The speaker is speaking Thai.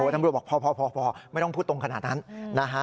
ตำรวจบอกพอไม่ต้องพูดตรงขนาดนั้นนะฮะ